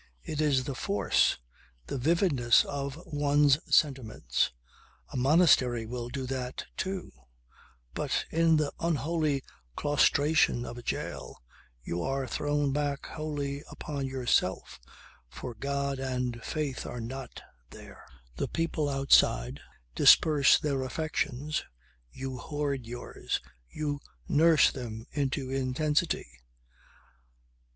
It is the force, the vividness of one's sentiments. A monastery will do that too; but in the unholy claustration of a jail you are thrown back wholly upon yourself for God and Faith are not there. The people outside disperse their affections, you hoard yours, you nurse them into intensity.